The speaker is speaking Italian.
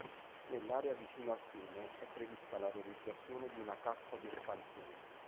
Nell'area vicino al fiume è prevista la realizzazione di una cassa di espansione.